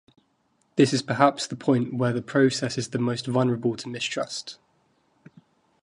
This is perhaps the point where the process is the most vulnerable to mistrust.